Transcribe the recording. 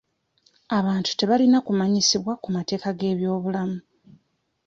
Abantu tebalina kumanyisibwa ku mateeka g'ebyobulamu.